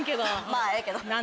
まぁええけど。